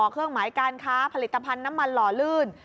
เครื่องหมายการค้าผลิตภัณฑ์น้ำมันหล่อลื่น